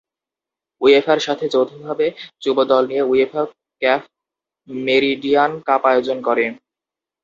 উয়েফার সাথে যৌথভাবে যুব দল নিয়ে উয়েফা-ক্যাফ মেরিডিয়ান কাপ আয়োজন করে।